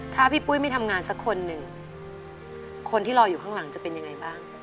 ถ้าพี่ปุ้ยไม่ทำงานสักคนหนึ่งคนที่รออยู่ข้างหลังจะเป็นยังไงบ้าง